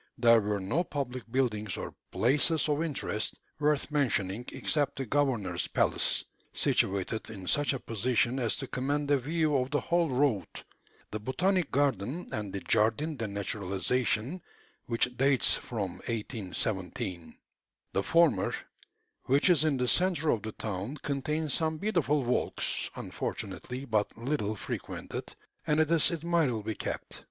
There were no public buildings or places of interest worth mentioning except the governor's palace, situated in such a position as to command a view of the whole road; the botanic garden and the "Jardin de Naturalisation," which dates from 1817. The former, which is in the centre of the town, contains some beautiful walks, unfortunately but little frequented, and it is admirably kept.